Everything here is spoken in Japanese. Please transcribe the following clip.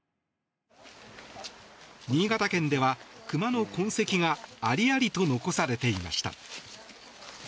新潟県では熊の痕跡がありありと残されていました。